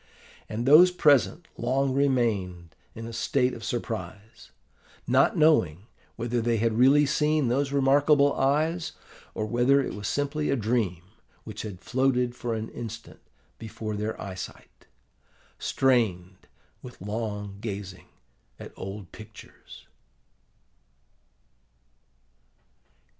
And those present long remained in a state of surprise, not knowing whether they had really seen those remarkable eyes, or whether it was simply a dream which had floated for an instant before their eyesight, strained with long gazing at old pictures.